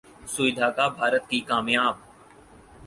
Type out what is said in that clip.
’سوئی دھاگہ‘ بھارت کی کامیاب